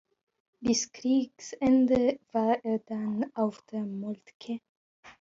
Bis Kriegsende war er dann auf der "Moltke".